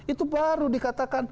itu baru dikatakan